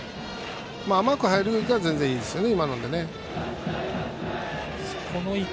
甘く入るよりは全然いいですね。